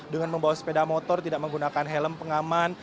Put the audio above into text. dengan membawa sepeda motor tidak menggunakan helm pengaman